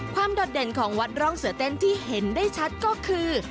โดดเด่นของวัดร่องเสือเต้นที่เห็นได้ชัดก็คือ